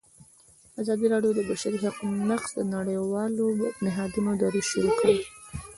ازادي راډیو د د بشري حقونو نقض د نړیوالو نهادونو دریځ شریک کړی.